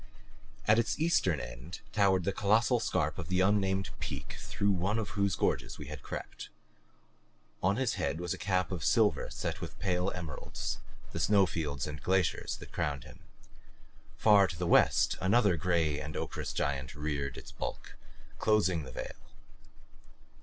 At its eastern end towered the colossal scarp of the unnamed peak through one of whose gorges we had crept. On his head was a cap of silver set with pale emeralds the snow fields and glaciers that crowned him. Far to the west another gray and ochreous giant reared its bulk, closing the vale.